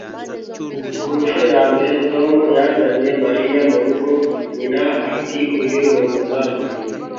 ku nshuro ya mbere tom yazanye mariya mu rugo, nyina ati uyu ni umuzamu